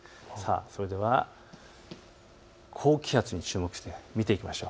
それでは高気圧に注目して見ていきましょう。